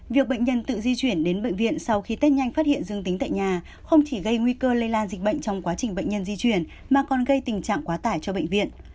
việc bệnh nhân tự di chuyển đến bệnh viện sau khi tết nhanh phát hiện dương tính tại nhà không chỉ gây nguy cơ lây lan dịch bệnh trong quá trình bệnh nhân di chuyển mà còn gây tình trạng quá tải cho bệnh viện